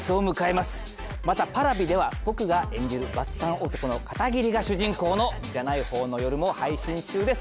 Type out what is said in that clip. またＰａｒａｖｉでは僕が演じるバツ３男の片桐が主人公の「じゃない方の夜」も配信中です。